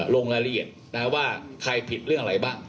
ลงรายละเอียดว่าใครผิดเรื่องอะไรบ้าง